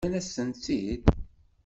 Ǧǧan-asent-tent-id?